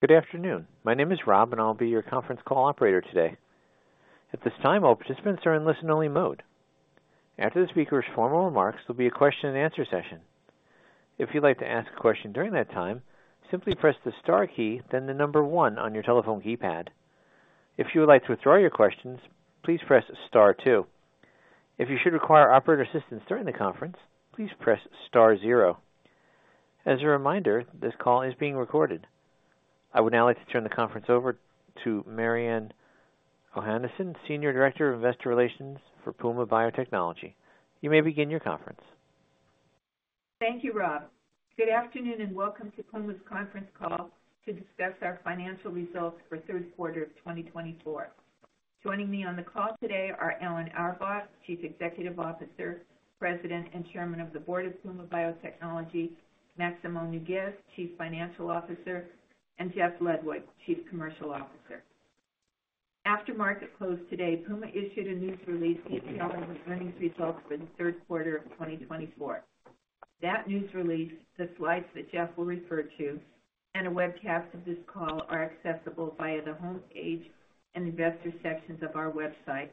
Good afternoon. My name is Rob, and I'll be your conference call operator today. At this time, all participants are in listen-only mode. After this speaker's formal remarks, there'll be a question-and-answer session. If you'd like to ask a question during that time, simply press the star key, then the number one on your telephone keypad. If you would like to withdraw your questions, please press star two. If you should require operator assistance during the conference, please press star zero. As a reminder, this call is being recorded. I would now like to turn the conference over to Mariann Ohanesian, Senior Director of Investor Relations for Puma Biotechnology. You may begin your conference. Thank you, Rob. Good afternoon and welcome to Puma's Conference Call to discuss our financial results for third quarter of 2024. Joining me on the call today are Alan Auerbach, Chief Executive Officer, President and Chairman of the Board of Puma Biotechnology; Maximo Nougues, Chief Financial Officer; and Jeff Ludwig, Chief Commercial Officer. After market close today, Puma issued a news release detailing the earnings results for the third quarter of 2024. That news release, the slides that Jeff will refer to, and a webcast of this call are accessible via the homepage and investor sections of our website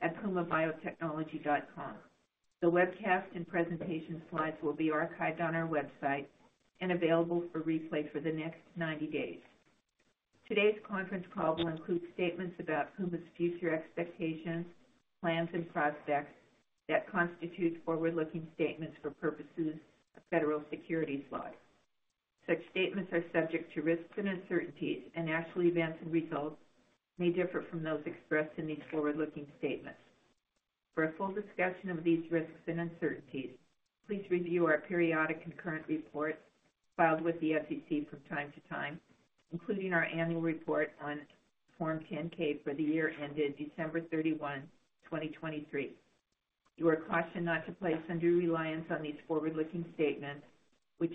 at pumabiotechnology.com. The webcast and presentation slides will be archived on our website and available for replay for the next 90 days. Today's conference call will include statements about Puma's future expectations, plans, and prospects that constitute forward-looking statements for purposes of federal securities law. Such statements are subject to risks and uncertainties, and actual events and results may differ from those expressed in these forward-looking statements. For a full discussion of these risks and uncertainties, please review our periodic and current report filed with the SEC from time to time, including our annual report on Form 10-K for the year ended December 31th, 2023. You are cautioned not to place undue reliance on these forward-looking statements, which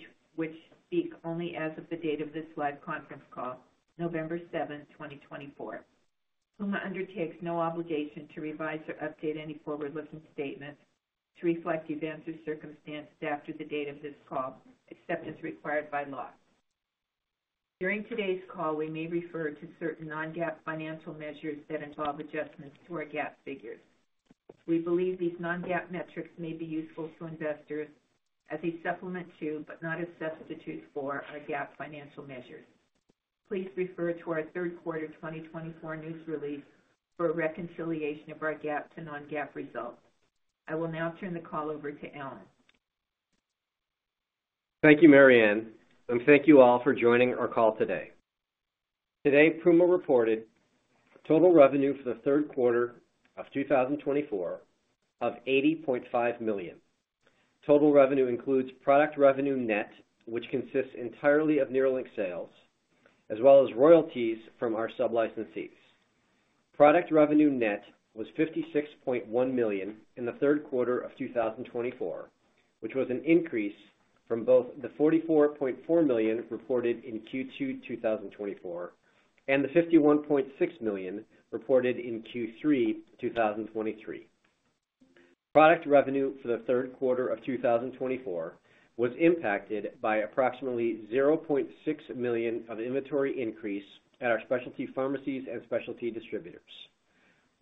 speak only as of the date of this live conference call, November 7th, 2024. Puma undertakes no obligation to revise or update any forward-looking statements to reflect events or circumstances after the date of this call, except as required by law. During today's call, we may refer to certain non-GAAP financial measures that involve adjustments to our GAAP figures. We believe these non-GAAP metrics may be useful to investors as a supplement to, but not a substitute for, our GAAP financial measures. Please refer to our third quarter 2024 news release for a reconciliation of our GAAP to non-GAAP results. I will now turn the call over to Alan. Thank you, Mariann, and thank you all for joining our call today. Today, Puma reported total revenue for the third quarter of 2024 of $80.5 million. Total revenue includes product revenue net, which consists entirely of NERLYNX sales, as well as royalties from our sub-licensees. Product revenue net was $56.1 million in the third quarter of 2024, which was an increase from both the $44.4 million reported in Q2 2024 and the $51.6 million reported in Q3 2023. Product revenue for the third quarter of 2024 was impacted by approximately $0.6 million of inventory increase at our specialty pharmacies and specialty distributors.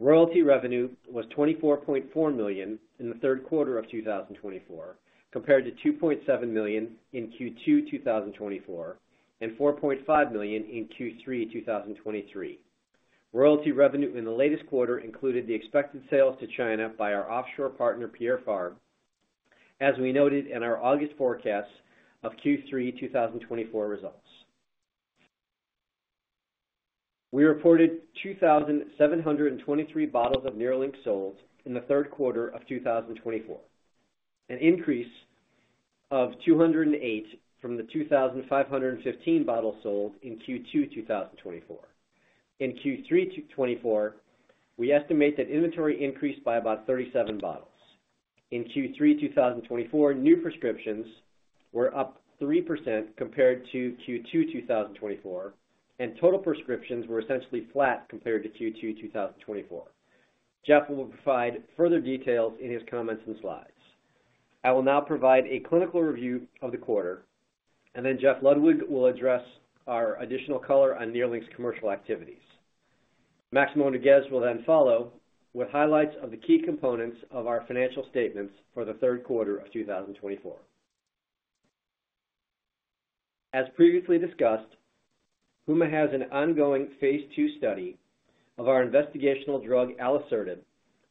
Royalty revenue was $24.4 million in the third quarter of 2024, compared to $2.7 million in Q2 2024 and $4.5 million in Q3 2023. Royalty revenue in the latest quarter included the expected sales to China by our offshore partner, Pierre Fabre, as we noted in our August forecasts of Q3 2024 results. We reported 2,723 bottles of NERLYNX sold in the third quarter of 2024, an increase of 208 from the 2,515 bottles sold in Q2 2024. In Q3 2024, we estimate that inventory increased by about 37 bottles. In Q3 2024, new prescriptions were up 3% compared to Q2 2024, and total prescriptions were essentially flat compared to Q2 2024. Jeff will provide further details in his comments and slides. I will now provide a clinical review of the quarter, and then Jeff Ludwig will address our additional color on NERLYNX's commercial activities. Maximo Nougues will then follow with highlights of the key components of our financial statements for the third quarter of 2024. As previously discussed, Puma has an ongoing phase 2 study of our investigational drug, alisertib,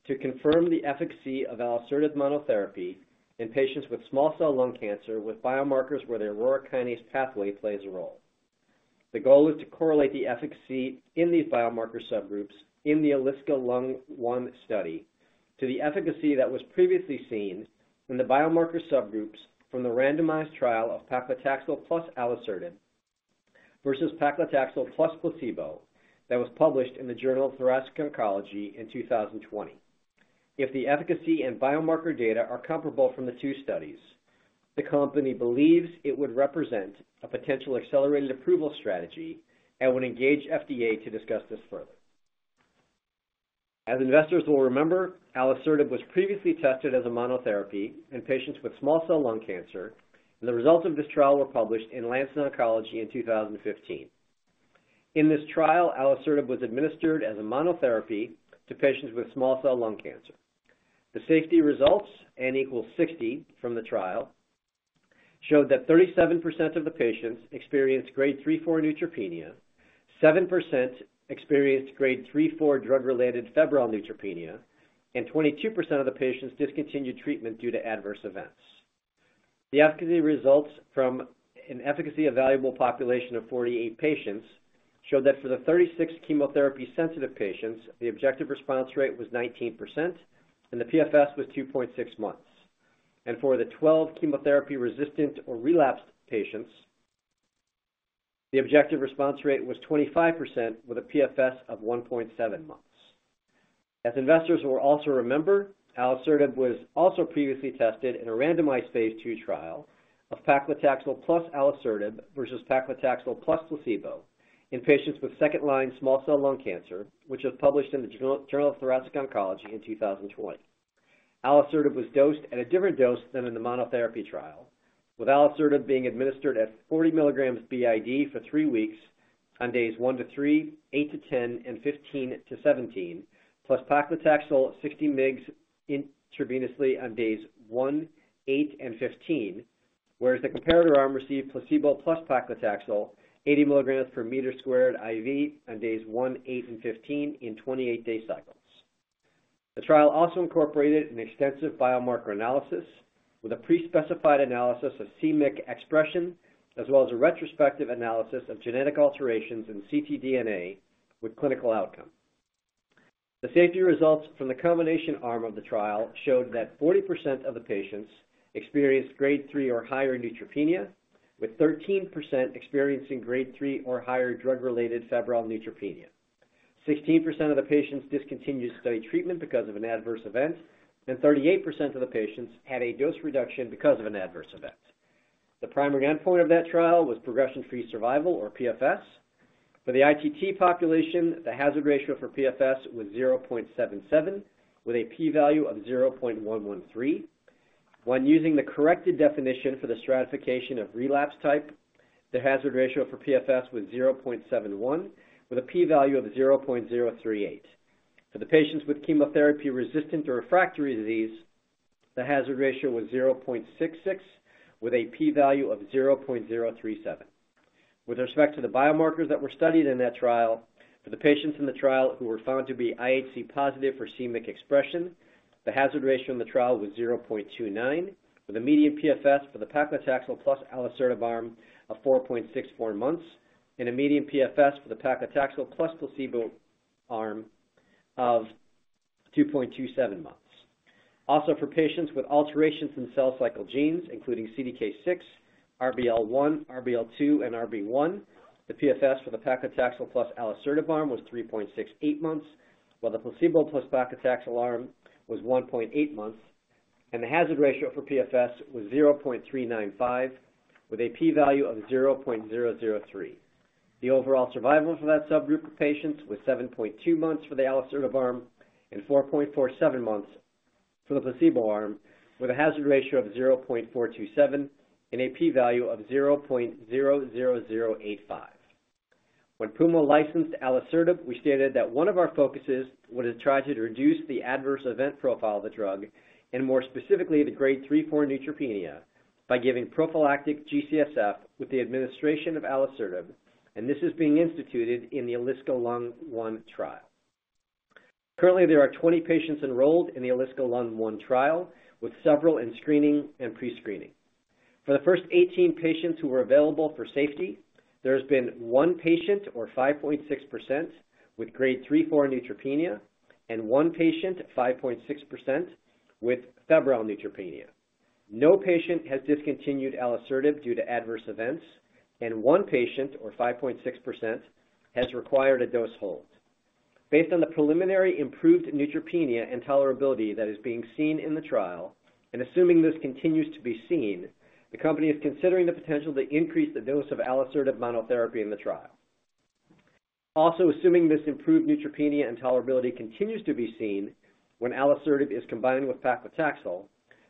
to confirm the efficacy of alisertib monotherapy in patients with small cell lung cancer with biomarkers where the Aurora kinase pathway plays a role. The goal is to correlate the efficacy in these biomarker subgroups in the ALISCA-Lung1 study to the efficacy that was previously seen in the biomarker subgroups from the randomized trial of paclitaxel plus alisertib versus paclitaxel plus placebo that was published in the Journal of Thoracic Oncology in 2020. If the efficacy and biomarker data are comparable from the two studies, the company believes it would represent a potential accelerated approval strategy and would engage FDA to discuss this further. As investors will remember, alisertib was previously tested as a monotherapy in patients with small cell lung cancer, and the results of this trial were published in Lancet Oncology in 2015. In this trial, alisertib was administered as a monotherapy to patients with small cell lung cancer. The safety results, N equals 60 from the trial, showed that 37% of the patients experienced Grade 3/4 neutropenia, 7% experienced Grade 3/4 drug-related febrile neutropenia, and 22% of the patients discontinued treatment due to adverse events. The efficacy results from an efficacy evaluable population of 48 patients showed that for the 36 chemotherapy-sensitive patients, the objective response rate was 19%, and the PFS was 2.6 months. And for the 12 chemotherapy-resistant or relapsed patients, the objective response rate was 25%, with a PFS of 1.7 months. As investors will also remember, alisertib was also previously tested in a randomized phase 2 trial of paclitaxel plus alisertib versus paclitaxel plus placebo in patients with second-line small cell lung cancer, which was published in the Journal of Thoracic Oncology in 2020. Alisertib was dosed at a different dose than in the monotherapy trial, with alisertib being administered at 40 milligrams b.i.d. for three weeks on days one to three, eight to ten, and 15 to 17, plus paclitaxel 60 mg intravenously on days one, eight, and 15, whereas the comparator arm received placebo plus paclitaxel 80 milligrams per meter squared IV on days one, eight, and 15 in 28-day cycles. The trial also incorporated an extensive biomarker analysis with a pre-specified analysis of c-Myc expression, as well as a retrospective analysis of genetic alterations in ctDNA with clinical outcome. The safety results from the combination arm of the trial showed that 40% of the patients experienced Grade 3 or higher neutropenia, with 13% experiencing Grade 3 or higher drug-related febrile neutropenia, 16% of the patients discontinued study treatment because of an adverse event, and 38% of the patients had a dose reduction because of an adverse event. The primary endpoint of that trial was progression-free survival, or PFS. For the ITT population, the hazard ratio for PFS was 0.77, with a p-value of 0.113. When using the corrected definition for the stratification of relapse type, the hazard ratio for PFS was 0.71, with a p-value of 0.038. For the patients with chemotherapy-resistant or refractory disease, the hazard ratio was 0.66, with a p-value of 0.037. With respect to the biomarkers that were studied in that trial, for the patients in the trial who were found to be IHC positive for c-Myc expression, the hazard ratio in the trial was 0.29, with a median PFS for the paclitaxel plus alisertib arm of 4.64 months and a median PFS for the paclitaxel plus placebo arm of 2.27 months. Also, for patients with alterations in cell cycle genes, including CDK6, RBL1, RBL2, and RB1, the PFS for the paclitaxel plus alisertib arm was 3.68 months, while the placebo plus paclitaxel arm was 1.8 months, and the hazard ratio for PFS was 0.395, with a p-value of 0.003. The overall survival for that subgroup of patients was 7.2 months for the alisertib arm and 4.47 months for the placebo arm, with a hazard ratio of 0.427 and a p-value of 0.00085. When Puma licensed alisertib, we stated that one of our focuses was to try to reduce the adverse event profile of the drug, and more specifically the Grade 3/4 neutropenia, by giving prophylactic G-CSF with the administration of alisertib, and this is being instituted in the ALISCA-Lung1 trial. Currently, there are 20 patients enrolled in the ALISCA-Lung 1 trial, with several in screening and pre-screening. For the first 18 patients who were available for safety, there has been one patient, or 5.6%, with Grade 3/4 neutropenia and one patient, 5.6%, with febrile neutropenia. No patient has discontinued alisertib due to adverse events, and one patient, or 5.6%, has required a dose hold. Based on the preliminary improved neutropenia and tolerability that is being seen in the trial, and assuming this continues to be seen, the company is considering the potential to increase the dose of alisertib monotherapy in the trial. Also, assuming this improved neutropenia and tolerability continues to be seen when alisertib is combined with paclitaxel,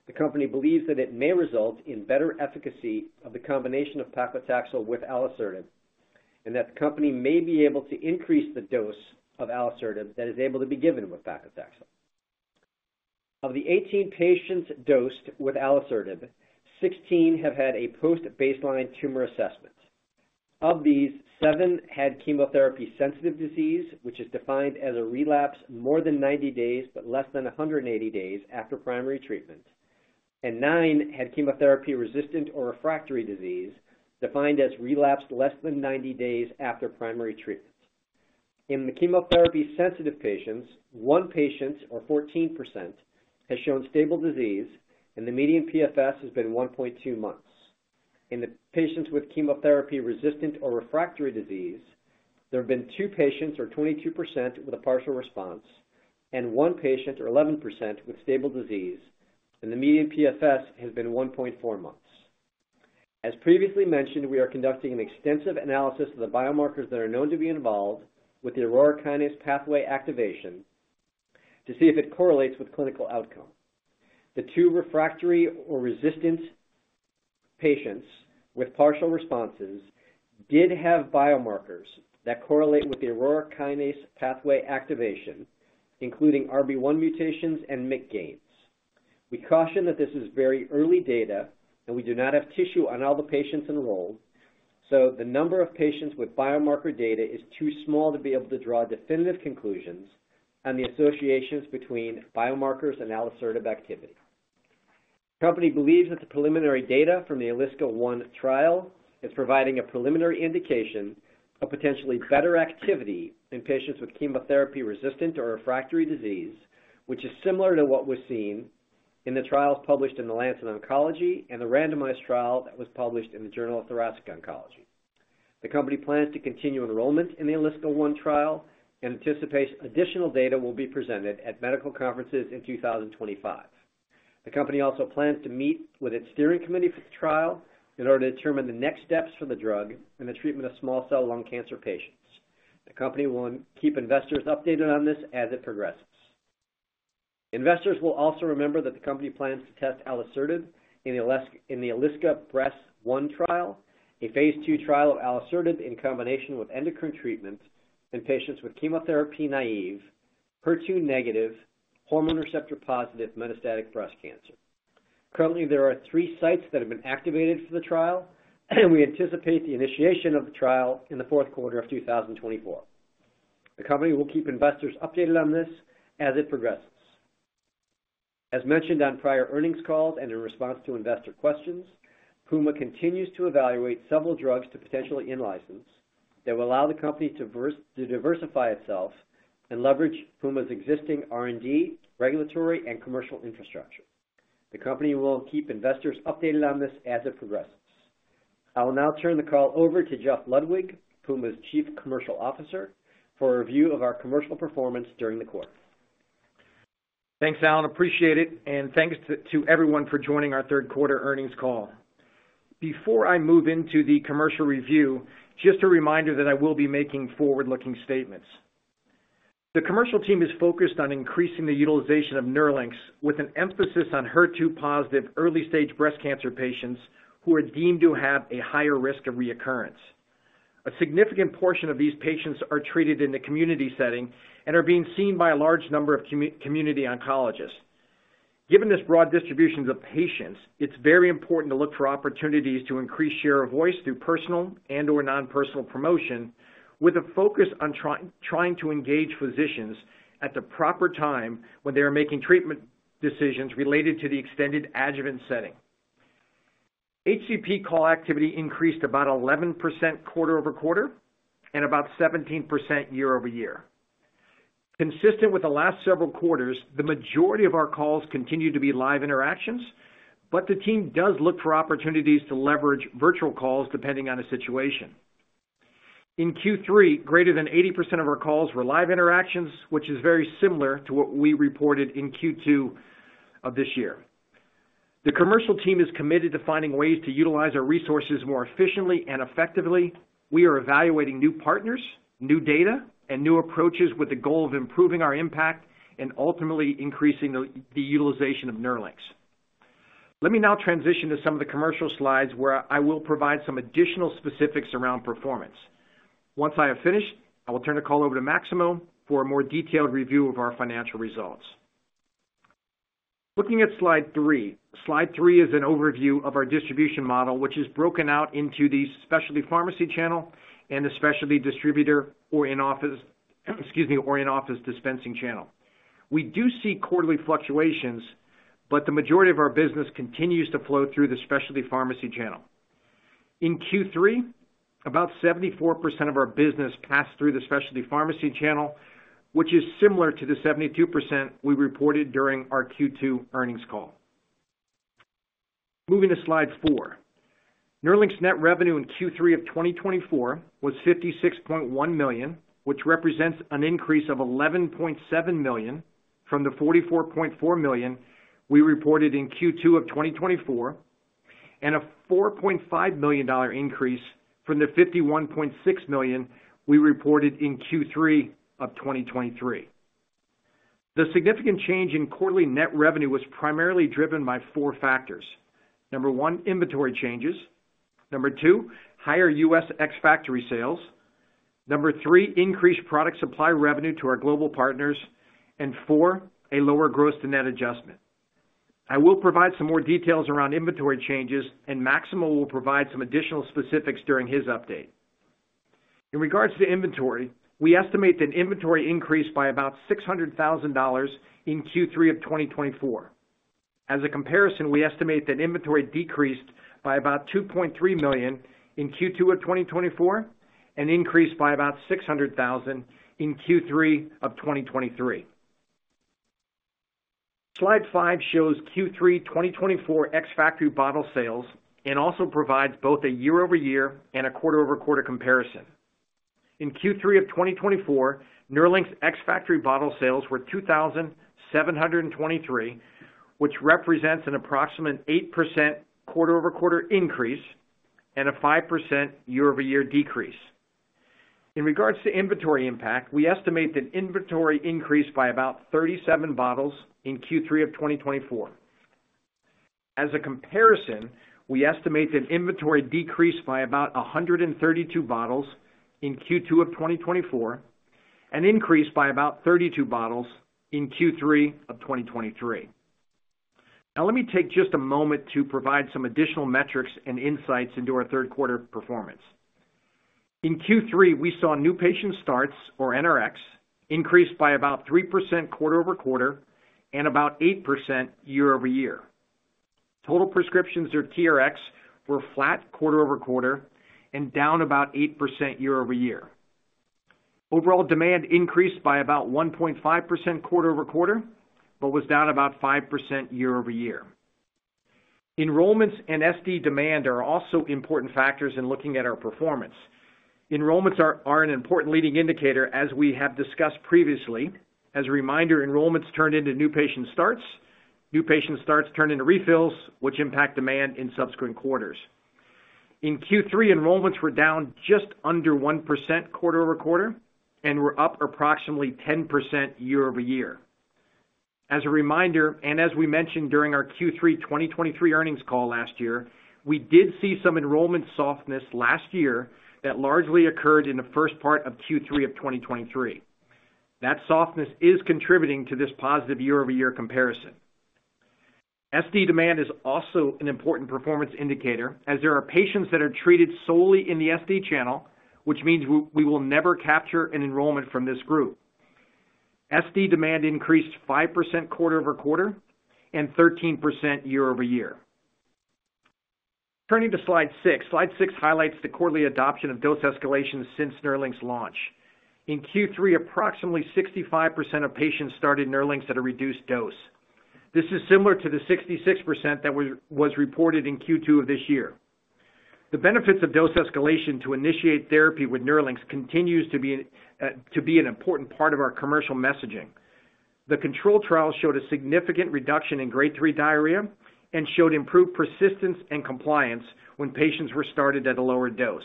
the company believes that it may result in better efficacy of the combination of paclitaxel with alisertib and that the company may be able to increase the dose of alisertib that is able to be given with paclitaxel. Of the 18 patients dosed with alisertib, 16 have had a post-baseline tumor assessment. Of these, seven had chemotherapy-sensitive disease, which is defined as a relapse more than 90 days but less than 180 days after primary treatment, and nine had chemotherapy-resistant or refractory disease defined as relapse less than 90 days after primary treatment. In the chemotherapy-sensitive patients, one patient, or 14%, has shown stable disease, and the median PFS has been 1.2 months. In the patients with chemotherapy-resistant or refractory disease, there have been two patients, or 22%, with a partial response, and one patient, or 11%, with stable disease, and the median PFS has been 1.4 months. As previously mentioned, we are conducting an extensive analysis of the biomarkers that are known to be involved with the Aurora kinase pathway activation to see if it correlates with clinical outcome. The two refractory or resistant patients with partial responses did have biomarkers that correlate with the Aurora kinase pathway activation, including RB1 mutations and MYC gains. We caution that this is very early data, and we do not have tissue on all the patients enrolled, so the number of patients with biomarker data is too small to be able to draw definitive conclusions on the associations between biomarkers and alisertib activity. The company believes that the preliminary data from the ALISCA-Lung1 trial is providing a preliminary indication of potentially better activity in patients with chemotherapy-resistant or refractory disease, which is similar to what was seen in the trials published in the Lancet Oncology and the randomized trial that was published in the Journal of Thoracic Oncology. The company plans to continue enrollment in the ALISCA-Lung1 trial and anticipates additional data will be presented at medical conferences in 2025. The company also plans to meet with its steering committee for the trial in order to determine the next steps for the drug in the treatment of small cell lung cancer patients. The company will keep investors updated on this as it progresses. Investors will also remember that the company plans to test alisertib in the ALISCA-Breast1 trial, a phase two trial of alisertib in combination with endocrine treatment in patients with chemotherapy-naive, HER2-negative, hormone receptor-positive metastatic breast cancer. Currently, there are three sites that have been activated for the trial, and we anticipate the initiation of the trial in the fourth quarter of 2024. The company will keep investors updated on this as it progresses. As mentioned on prior earnings calls and in response to investor questions, Puma continues to evaluate several drugs to potentially in-license that will allow the company to diversify itself and leverage Puma's existing R&D, regulatory, and commercial infrastructure. The company will keep investors updated on this as it progresses. I will now turn the call over to Jeff Ludwig, Puma's Chief Commercial Officer, for a review of our commercial performance during the quarter. Thanks, Alan. Appreciate it, and thanks to everyone for joining our third quarter earnings call. Before I move into the commercial review, just a reminder that I will be making forward-looking statements. The commercial team is focused on increasing the utilization of NERLYNX, with an emphasis on HER2-positive early-stage breast cancer patients who are deemed to have a higher risk of recurrence. A significant portion of these patients are treated in the community setting and are being seen by a large number of community oncologists. Given this broad distribution of patients, it's very important to look for opportunities to increase share of voice through personal and/or non-personal promotion, with a focus on trying to engage physicians at the proper time when they are making treatment decisions related to the extended adjuvant setting. HCP call activity increased about 11% quarter-over-quarter and about 17% year-over-year. Consistent with the last several quarters, the majority of our calls continue to be live interactions, but the team does look for opportunities to leverage virtual calls depending on the situation. In Q3, greater than 80% of our calls were live interactions, which is very similar to what we reported in Q2 of this year. The commercial team is committed to finding ways to utilize our resources more efficiently and effectively. We are evaluating new partners, new data, and new approaches with the goal of improving our impact and ultimately increasing the utilization of NERLYNX. Let me now transition to some of the commercial slides, where I will provide some additional specifics around performance. Once I have finished, I will turn the call over to Maximo for a more detailed review of our financial results. Looking at slide three, slide three is an overview of our distribution model, which is broken out into the specialty pharmacy channel and the specialty distributor or in-office dispensing channel. We do see quarterly fluctuations, but the majority of our business continues to flow through the specialty pharmacy channel. In Q3, about 74% of our business passed through the specialty pharmacy channel, which is similar to the 72% we reported during our Q2 earnings call. Moving to slide four, NERLYNX's net revenue in Q3 of 2024 was $56.1 million, which represents an increase of $11.7 million from the $44.4 million we reported in Q2 of 2024 and a $4.5 million increase from the $51.6 million we reported in Q3 of 2023. The significant change in quarterly net revenue was primarily driven by four factors. Number one, inventory changes. Number two, higher U.S. ex-factory sales. Number three, increased product supply revenue to our global partners. And four, a lower gross-to-net adjustment. I will provide some more details around inventory changes, and Maximo will provide some additional specifics during his update. In regards to inventory, we estimate that inventory increased by about $600,000 in Q3 of 2024. As a comparison, we estimate that inventory decreased by about $2.3 million in Q2 of 2024 and increased by about $600,000 in Q3 of 2023. Slide five shows Q3 2024 ex-factory bottle sales and also provides both a year-over-year and a quarter-over-quarter comparison. In Q3 of 2024, NERLYNX's ex-factory bottle sales were 2,723, which represents an approximate 8% quarter-over-quarter increase and a 5% year-over-year decrease. In regards to inventory impact, we estimate that inventory increased by about 37 bottles in Q3 of 2024. As a comparison, we estimate that inventory decreased by about 132 bottles in Q2 of 2024 and increased by about 32 bottles in Q3 of 2023. Now, let me take just a moment to provide some additional metrics and insights into our third quarter performance. In Q3, we saw new patient starts, or NRX, increased by about 3% quarter-over-quarter and about 8% year-over-year. Total prescriptions or TRX were flat quarter-over-quarter and down about 8% year-over-year. Overall demand increased by about 1.5% quarter-over-quarter but was down about 5% year-over-year. Enrollments and SD demand are also important factors in looking at our performance. Enrollments are an important leading indicator, as we have discussed previously. As a reminder, enrollments turned into new patient starts. New patient starts turned into refills, which impact demand in subsequent quarters. In Q3, enrollments were down just under 1% quarter-over-quarter and were up approximately 10% year-over-year. As a reminder, and as we mentioned during our Q3 2023 earnings call last year, we did see some enrollment softness last year that largely occurred in the first part of Q3 of 2023. That softness is contributing to this positive year-over-year comparison. SD demand is also an important performance indicator, as there are patients that are treated solely in the SD channel, which means we will never capture an enrollment from this group. SD demand increased 5% quarter-over-quarter and 13% year-over-year. Turning to slide six, slide six highlights the quarterly adoption of dose escalations since NERLYNX's launch. In Q3, approximately 65% of patients started NERLYNX at a reduced dose. This is similar to the 66% that was reported in Q2 of this year. The benefits of dose escalation to initiate therapy with NERLYNX continues to be an important part of our commercial messaging. The control trial showed a significant reduction in Grade 3 diarrhea and showed improved persistence and compliance when patients were started at a lower dose.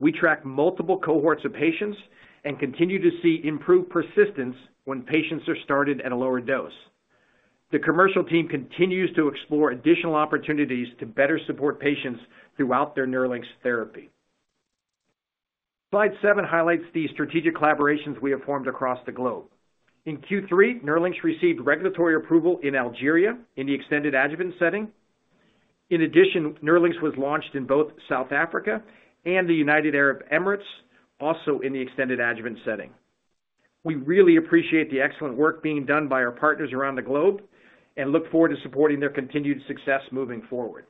We track multiple cohorts of patients and continue to see improved persistence when patients are started at a lower dose. The commercial team continues to explore additional opportunities to better support patients throughout their NERLYNX's therapy. Slide seven highlights the strategic collaborations we have formed across the globe. In Q3, NERLYNX received regulatory approval in Algeria in the extended adjuvant setting. In addition, NERLYNX was launched in both South Africa and the United Arab Emirates, also in the extended adjuvant setting. We really appreciate the excellent work being done by our partners around the globe and look forward to supporting their continued success moving forward.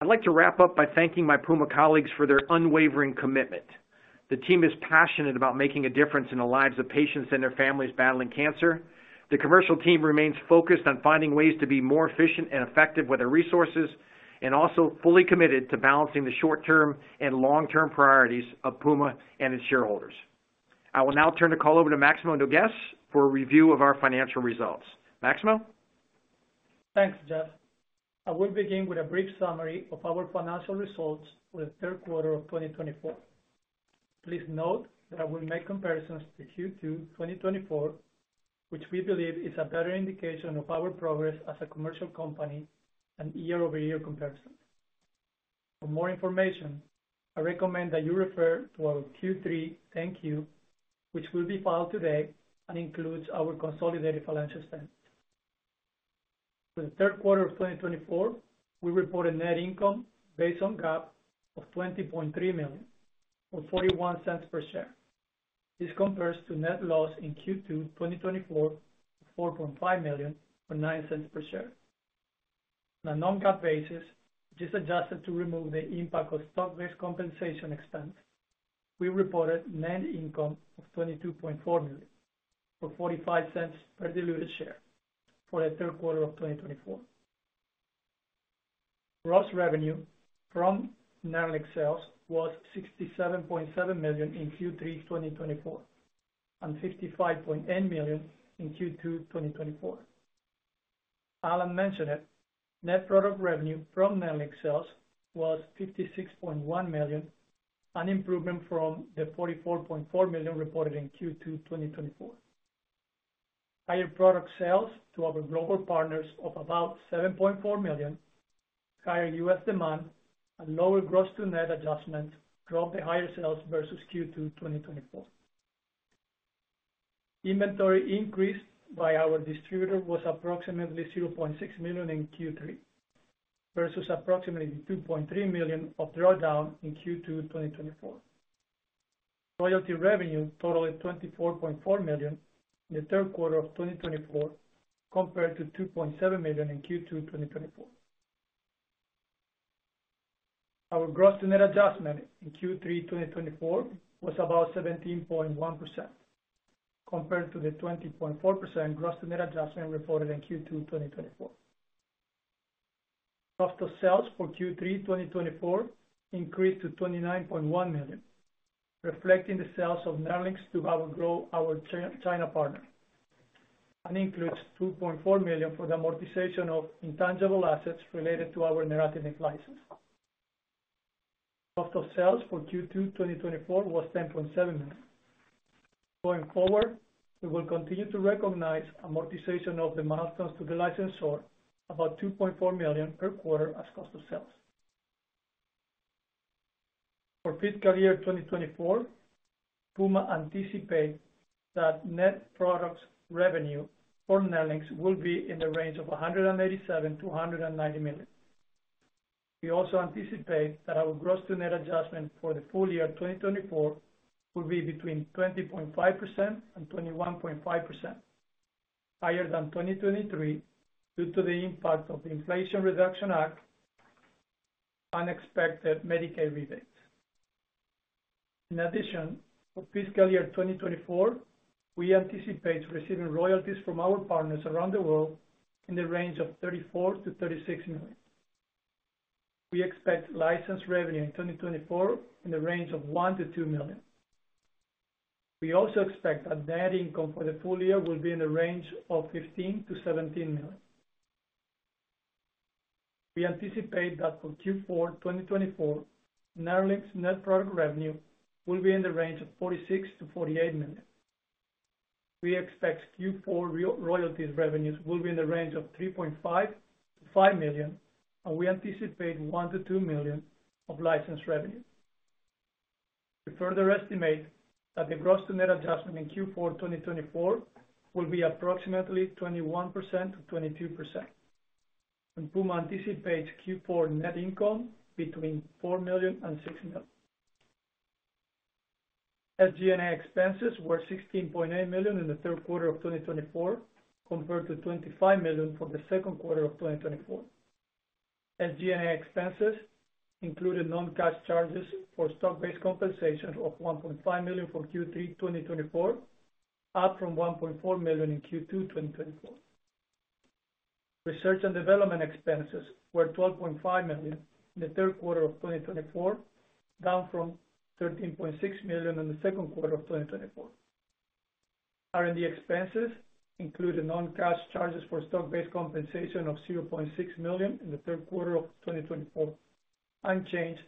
I'd like to wrap up by thanking my Puma colleagues for their unwavering commitment. The team is passionate about making a difference in the lives of patients and their families battling cancer. The commercial team remains focused on finding ways to be more efficient and effective with their resources and also fully committed to balancing the short-term and long-term priorities of Puma and its shareholders. I will now turn the call over to Maximo Nougues for a review of our financial results. Maximo? Thanks, Jeff. I will begin with a brief summary of our financial results for the third quarter of 2024. Please note that I will make comparisons to Q2 2024, which we believe is a better indication of our progress as a commercial company and year-over-year comparison. For more information, I recommend that you refer to our Q3 10-Q, which will be filed today and includes our consolidated financial statements. For the third quarter of 2024, we reported net income based on GAAP of $20.3 million or $0.41 per share. This compares to net loss in Q2 2024 of $4.5 million or $0.09 per share. On a non-GAAP basis, just adjusted to remove the impact of stock-based compensation expense, we reported net income of $22.4 million or $0.45 per diluted share for the third quarter of 2024. Gross revenue from NERLYNX sales was $67.7 million in Q3 2024 and $55.8 million in Q2 2024. Alan mentioned it. Net product revenue from NERLYNX sales was $56.1 million, an improvement from the $44.4 million reported in Q2 2024. Higher product sales to our global partners of about $7.4 million, higher U.S. demand, and lower gross-to-net adjustments drove the higher sales versus Q2 2024. Inventory increased by our distributor was approximately $0.6 million in Q3 versus approximately $2.3 million of drawdown in Q2 2024. Royalty revenue totaled $24.4 million in the third quarter of 2024, compared to $2.7 million in Q2 2024. Our gross-to-net adjustment in Q3 2024 was about 17.1%, compared to the 20.4% gross-to-net adjustment reported in Q2 2024. Cost of sales for Q3 2024 increased to $29.1 million, reflecting the sales of NERLYNX to our China partner. It includes $2.4 million for the amortization of intangible assets related to our neratinib license. Cost of sales for Q2 2024 was $10.7 million. Going forward, we will continue to recognize amortization of the milestones to the licensor, about $2.4 million per quarter as cost of sales. For the fourth quarter 2024, Puma anticipates that net product revenue for NERLYNX will be in the range of $187 million-$190 million. We also anticipate that our gross-to-net adjustment for the full year 2024 will be between 20.5% and 21.5%, higher than 2023 due to the impact of the Inflation Reduction Act and unexpected Medicaid rebates. In addition, for fiscal year 2024, we anticipate receiving royalties from our partners around the world in the range of $34-$36 million. We expect license revenue in 2024 in the range of $1-$2 million. We also expect that net income for the full year will be in the range of $15-$17 million. We anticipate that for Q4 2024, NERLYNX's net product revenue will be in the range of $46-$48 million. We expect Q4 royalties revenues will be in the range of $3.5-$5 million, and we anticipate $1-$2 million of license revenue. We further estimate that the gross-to-net adjustment in Q4 2024 will be approximately 21% to 22%. Puma anticipates Q4 net income between $4 million and $6 million. SG&A expenses were $16.8 million in the third quarter of 2024, compared to $25 million for the second quarter of 2024. SG&A expenses included non-cash charges for stock-based compensation of $1.5 million for Q3 2024, up from $1.4 million in Q2 2024. Research and development expenses were $12.5 million in the third quarter of 2024, down from $13.6 million in the second quarter of 2024. R&D expenses included non-cash charges for stock-based compensation of $0.6 million in the third quarter of 2024, unchanged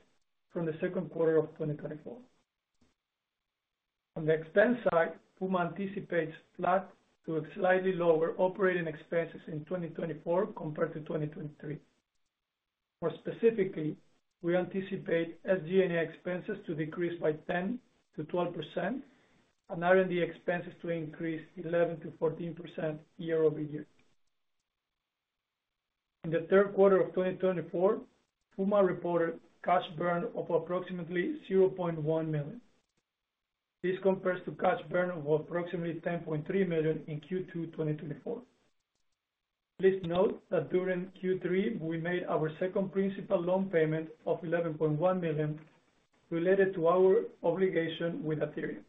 from the second quarter of 2024. On the expense side, Puma anticipates flat to slightly lower operating expenses in 2024 compared to 2023. More specifically, we anticipate SG&A expenses to decrease by 10%-12% and R&D expenses to increase 11%-14% year-over-year. In the third quarter of 2024, Puma reported cash burn of approximately $0.1 million. This compares to cash burn of approximately $10.3 million in Q2 2024. Please note that during Q3, we made our second principal loan payment of $11.1 million related to our obligation with Athyrium.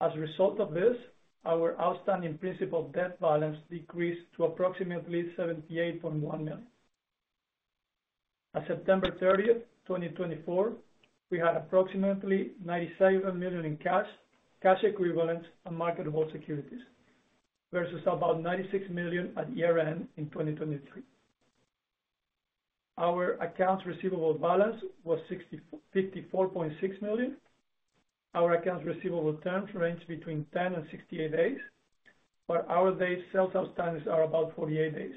As a result of this, our outstanding principal debt balance decreased to approximately $78.1 million. As of September 30th, 2024, we had approximately $97 million in cash, cash equivalents, and marketable securities versus about $96 million at year-end in 2023. Our accounts receivable balance was $54.6 million. Our accounts receivable terms ranged between 10 and 68 days, but our day sales outstanding are about 48 days.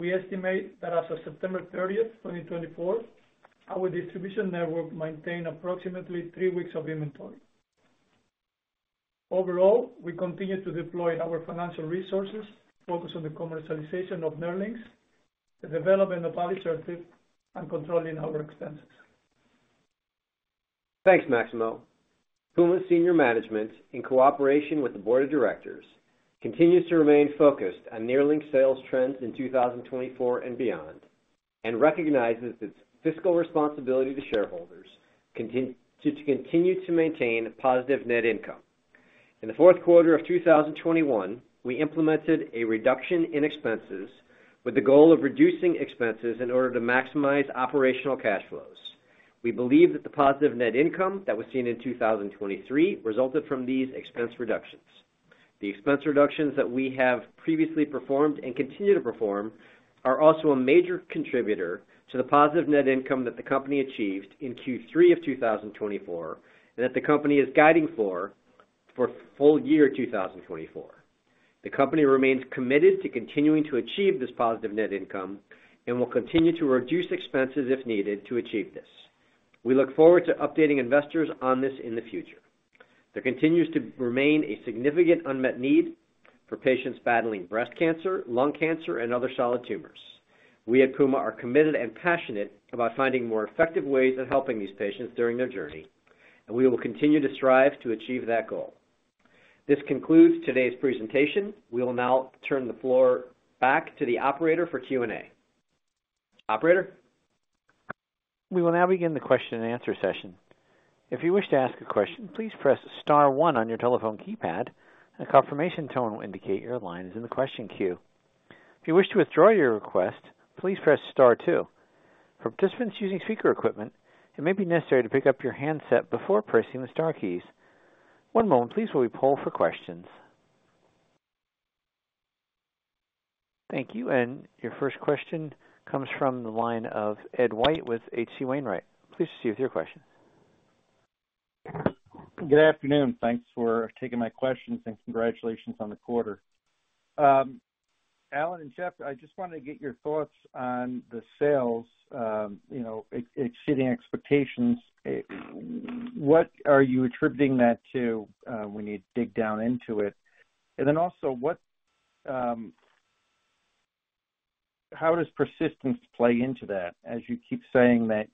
We estimate that as of September 30th, 2024, our distribution network maintained approximately three weeks of inventory. Overall, we continue to deploy our financial resources, focus on the commercialization of NERLYNX, the development of alisertib, and controlling our expenses. Thanks, Maximo. Puma's senior management, in cooperation with the board of directors, continues to remain focused on NERLYNX's sales trends in 2024 and beyond and recognizes its fiscal responsibility to shareholders to continue to maintain positive net income. In the fourth quarter of 2021, we implemented a reduction in expenses with the goal of reducing expenses in order to maximize operational cash flows. We believe that the positive net income that was seen in 2023 resulted from these expense reductions. The expense reductions that we have previously performed and continue to perform are also a major contributor to the positive net income that the company achieved in Q3 of 2024 and that the company is guiding for full year 2024. The company remains committed to continuing to achieve this positive net income and will continue to reduce expenses if needed to achieve this. We look forward to updating investors on this in the future. There continues to remain a significant unmet need for patients battling breast cancer, lung cancer, and other solid tumors. We at Puma are committed and passionate about finding more effective ways of helping these patients during their journey, and we will continue to strive to achieve that goal. This concludes today's presentation. We will now turn the floor back to the operator for Q&A. Operator? We will now begin the question and answer session. If you wish to ask a question, please press Star one on your telephone keypad. A confirmation tone will indicate your line is in the question queue. If you wish to withdraw your request, please press Star two. For participants using speaker equipment, it may be necessary to pick up your handset before pressing the Star keys. One moment, please, while we poll for questions. Thank you, and your first question comes from the line of Ed White with H.C. Wainwright. Please proceed with your question. Good afternoon. Thanks for taking my questions, and congratulations on the quarter. Alan and Jeff, I just wanted to get your thoughts on the sales, exceeding expectations. What are you attributing that to when you dig down into it? And then also, how does persistence play into that as you keep saying that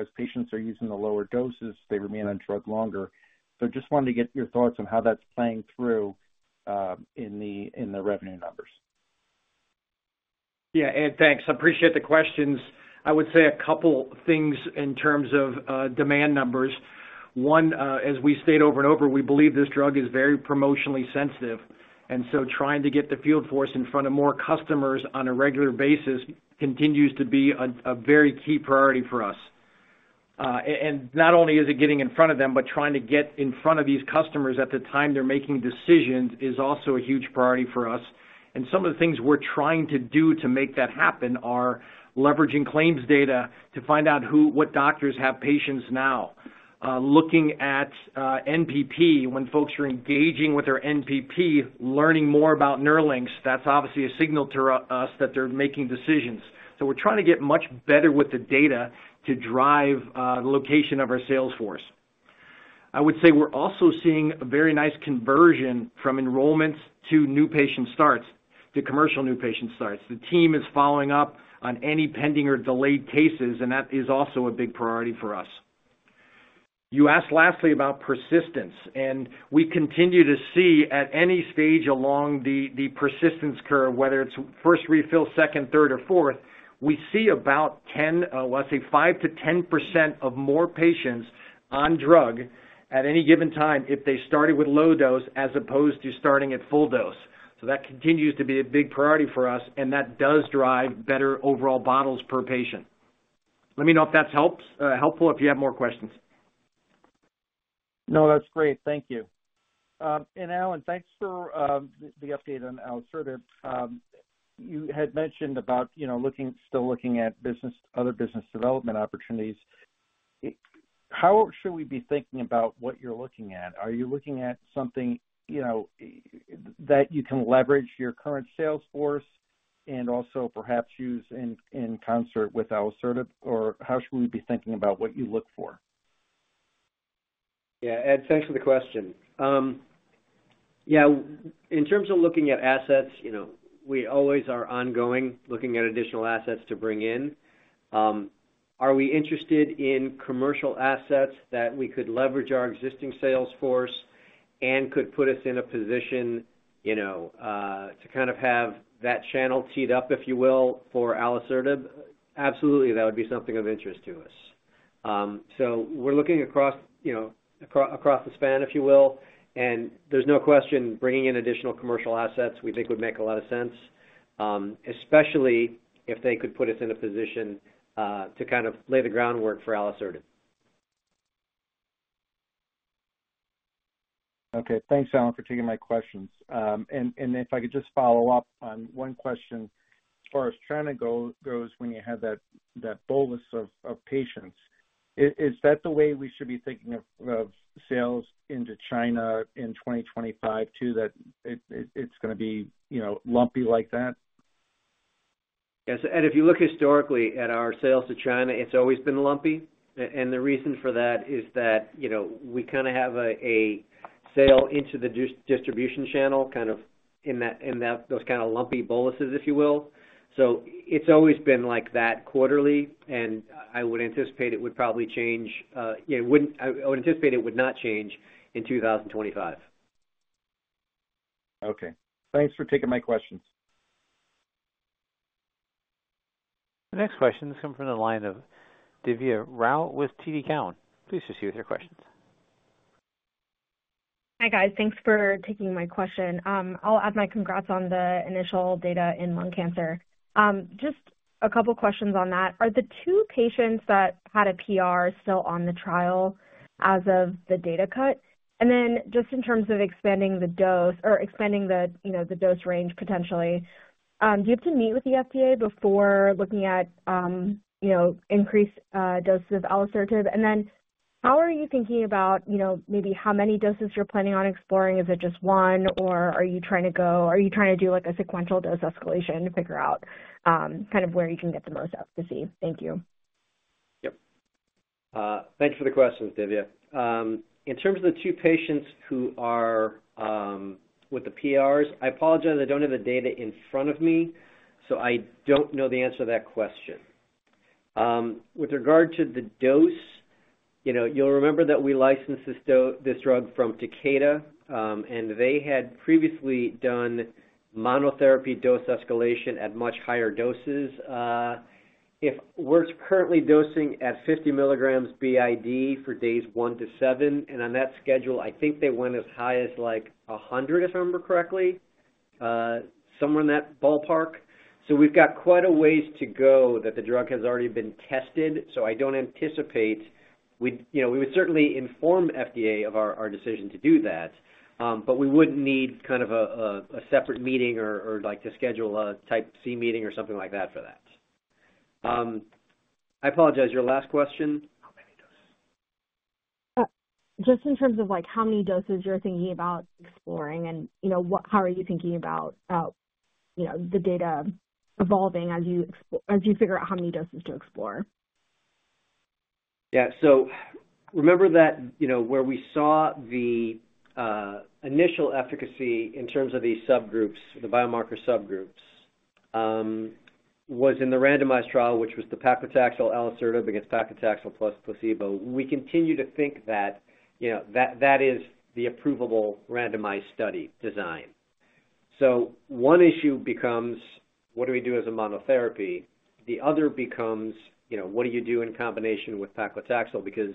as patients are using the lower doses, they remain on drug longer? So just wanted to get your thoughts on how that's playing through in the revenue numbers. Yeah, Ed, thanks. I appreciate the questions. I would say a couple of things in terms of demand numbers. One, as we state over and over, we believe this drug is very promotionally sensitive. And so trying to get the field force in front of more customers on a regular basis continues to be a very key priority for us. And not only is it getting in front of them, but trying to get in front of these customers at the time they're making decisions is also a huge priority for us. And some of the things we're trying to do to make that happen are leveraging claims data to find out what doctors have patients now. Looking at NPP, when folks are engaging with their NPP, learning more about NERLYNX, that's obviously a signal to us that they're making decisions. So we're trying to get much better with the data to drive the location of our sales force. I would say we're also seeing a very nice conversion from enrollments to new patient starts to commercial new patient starts. The team is following up on any pending or delayed cases, and that is also a big priority for us. You asked lastly about persistence, and we continue to see at any stage along the persistence curve, whether it's first refill, second, third, or fourth, we see about 10%, let's say 5% to 10% more patients on drug at any given time if they started with low dose as opposed to starting at full dose. So that continues to be a big priority for us, and that does drive better overall bottles per patient. Let me know if that's helpful if you have more questions. No, that's great. Thank you. And Alan, thanks for the update on alisertib. You had mentioned about still looking at other business development opportunities. How should we be thinking about what you're looking at? Are you looking at something that you can leverage your current sales force and also perhaps use in concert with alisertib, or how should we be thinking about what you look for? Yeah, Ed, thanks for the question. Yeah, in terms of looking at assets, we always are ongoing looking at additional assets to bring in. Are we interested in commercial assets that we could leverage our existing sales force and could put us in a position to kind of have that channel teed up, if you will, for alisertib? Absolutely, that would be something of interest to us. We're looking across the span, if you will, and there's no question bringing in additional commercial assets, we think, would make a lot of sense, especially if they could put us in a position to kind of lay the groundwork for alisertib. Okay, thanks, Alan, for taking my questions. And if I could just follow up on one question. As far as China goes, when you have that bolus of patients, is that the way we should be thinking of sales into China in 2025 too, that it's going to be lumpy like that? Yes. And if you look historically at our sales to China, it's always been lumpy. And the reason for that is that we kind of have a sale into the distribution channel kind of in those kind of lumpy boluses, if you will. So it's always been like that quarterly, and I would anticipate it would probably change. I would anticipate it would not change in 2025. Okay. Thanks for taking my questions. The next question is coming from the line of Divya Rao with TD Cowen. Please proceed with your questions. Hi, guys. Thanks for taking my question. I'll add my congrats on the initial data in lung cancer. Just a couple of questions on that. Are the two patients that had a PR still on the trial as of the data cut? And then just in terms of expanding the dose or expanding the dose range potentially, do you have to meet with the FDA before looking at increased doses of alisertib? And then how are you thinking about maybe how many doses you're planning on exploring? Is it just one, or are you trying to do a sequential dose escalation to figure out kind of where you can get the most efficacy? Thank you. Yep. Thanks for the questions, Divya. In terms of the two patients who are with the PRs, I apologize. I don't have the data in front of me, so I don't know the answer to that question. With regard to the dose, you'll remember that we licensed this drug from Takeda, and they had previously done monotherapy dose escalation at much higher doses. We're currently dosing at 50 milligrams b.i.d. for days one to seven. And on that schedule, I think they went as high as like 100, if I remember correctly, somewhere in that ballpark. So we've got quite a ways to go that the drug has already been tested. So I don't anticipate we would certainly inform FDA of our decision to do that, but we wouldn't need kind of a separate meeting or to schedule a Type C meeting or something like that for that. I apologize. Your last question? How many doses? Just in terms of how many doses you're thinking about exploring and how are you thinking about the data evolving as you figure out how many doses to explore? Yeah. So remember that where we saw the initial efficacy in terms of these subgroups, the biomarker subgroups, was in the randomized trial, which was the paclitaxel, alisertib, against paclitaxel plus placebo. We continue to think that that is the approvable randomized study design. So one issue becomes, what do we do as a monotherapy? The other becomes, what do you do in combination with paclitaxel? Because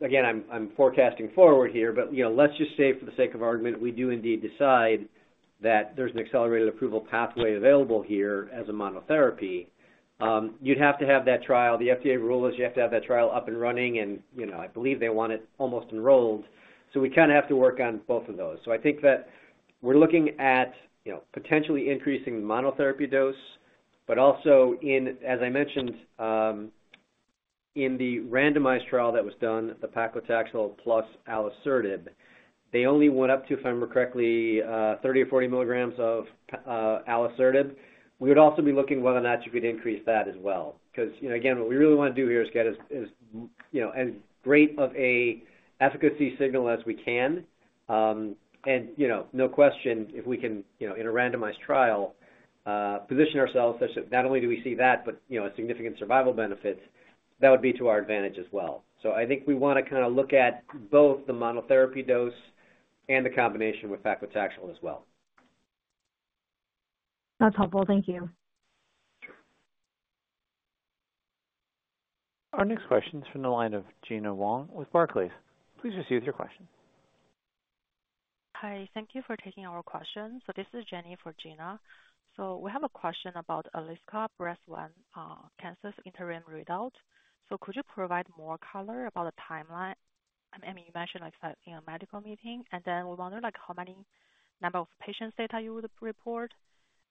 again, I'm forecasting forward here, but let's just say for the sake of argument, we do indeed decide that there's an accelerated approval pathway available here as a monotherapy. You'd have to have that trial. The FDA rule is you have to have that trial up and running, and I believe they want it almost enrolled. So we kind of have to work on both of those. So I think that we're looking at potentially increasing the monotherapy dose, but also, as I mentioned, in the randomized trial that was done, the paclitaxel plus alisertib, they only went up to, if I remember correctly, 30 or 40 milligrams of alisertib. We would also be looking whether or not you could increase that as well. Because again, what we really want to do here is get as great of an efficacy signal as we can. And no question, if we can, in a randomized trial, position ourselves such that not only do we see that, but significant survival benefits, that would be to our advantage as well. So I think we want to kind of look at both the monotherapy dose and the combination with paclitaxel as well. That's helpful. Thank you. Our next question is from the line of Gina Wang with Barclays. Please proceed with your question. Hi. Thank you for taking our questions. So this is Jenny for Gina. So we have a question about alisertib's breast cancer interim result. So could you provide more color about the timeline? I mean, you mentioned a medical meeting, and then we wonder how many number of patients' data you would report.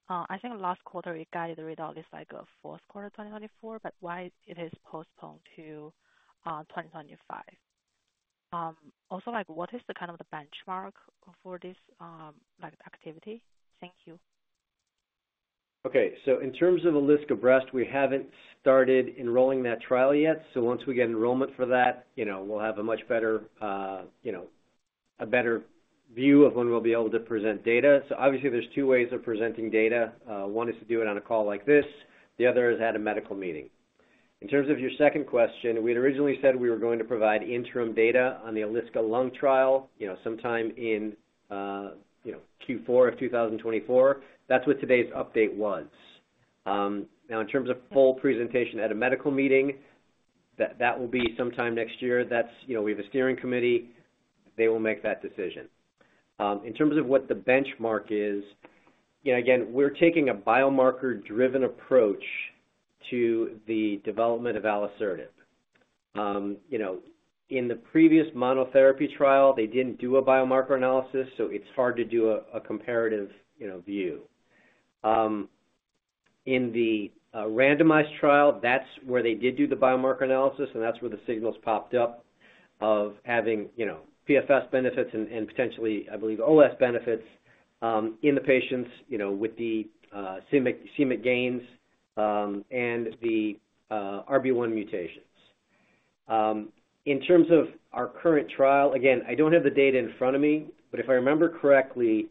I think last quarter, it guided the result is like a fourth quarter 2024, but why it is postponed to 2025. Also, what is the kind of the benchmark for this activity? Thank you. Okay. So in terms of ALISCA-Breast, we haven't started enrolling that trial yet. So once we get enrollment for that, we'll have a much better view of when we'll be able to present data. So obviously, there's two ways of presenting data. One is to do it on a call like this. The other is at a medical meeting. In terms of your second question, we had originally said we were going to provide interim data on the ALISCA-Lung trial sometime in Q4 of 2024. That's what today's update was. Now, in terms of full presentation at a medical meeting, that will be sometime next year. We have a steering committee. They will make that decision. In terms of what the benchmark is, again, we're taking a biomarker-driven approach to the development of alisertib. In the previous monotherapy trial, they didn't do a biomarker analysis, so it's hard to do a comparative view. In the randomized trial, that's where they did do the biomarker analysis, and that's where the signals popped up of having PFS benefits and potentially, I believe, OS benefits in the patients with the c-Myc gains and the RB1 mutations. In terms of our current trial, again, I don't have the data in front of me, but if I remember correctly,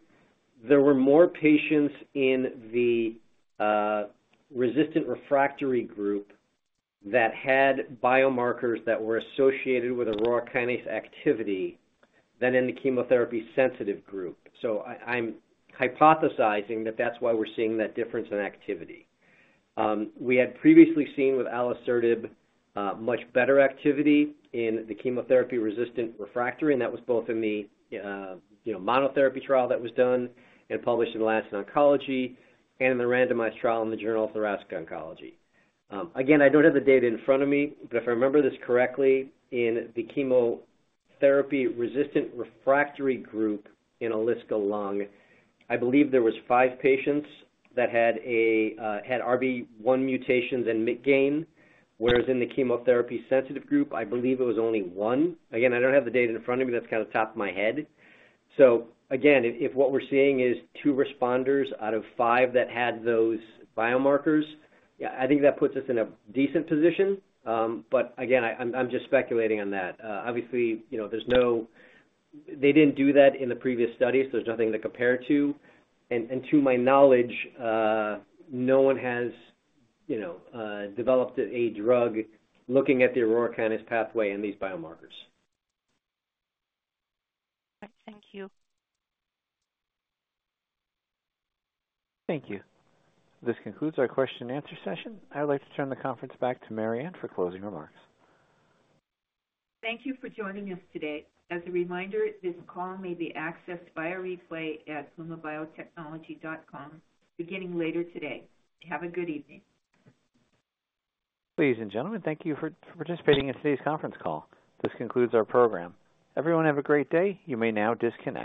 there were more patients in the resistant refractory group that had biomarkers that were associated with Aurora kinase activity than in the chemotherapy-sensitive group. So I'm hypothesizing that that's why we're seeing that difference in activity. We had previously seen with alisertib much better activity in the chemotherapy-resistant refractory, and that was both in the monotherapy trial that was done and published in The Lancet Oncology and in the randomized trial in the Journal of Thoracic Oncology. Again, I don't have the data in front of me, but if I remember this correctly, in the chemotherapy-resistant refractory group in ALISCA-Lung1, I believe there were five patients that had RB1 mutations and c-Myc gain, whereas in the chemotherapy-sensitive group, I believe it was only one. Again, I don't have the data in front of me. That's kind of off the top of my head. So again, if what we're seeing is two responders out of five that had those biomarkers, yeah, I think that puts us in a decent position. But again, I'm just speculating on that. Obviously, they didn't do that in the previous studies, so there's nothing to compare to. And to my knowledge, no one has developed a drug looking at the Aurora kinase pathway and these biomarkers. Thank you. Thank you. This concludes our question-and-answer session. I would like to turn the conference back to Mariann for closing remarks. Thank you for joining us today. As a reminder, this call may be accessed via replay@pumabiotechnology.com beginning later today. Have a good evening. Ladies and gentlemen, thank you for participating in today's conference call. This concludes our program. Everyone have a great day. You may now disconnect.